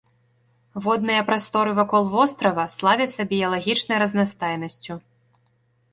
Водныя прасторы вакол вострава славяцца біялагічнай разнастайнасцю.